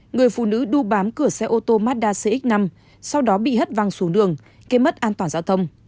người phụ nữ đu bám cửa xe ô tô mazda cx năm sau đó bị hất văng xuống đường gây mất an toàn giao thông